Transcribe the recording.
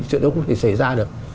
chuyện đó cũng không thể xảy ra được